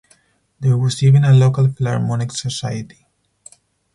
There was even a local philharmonic society.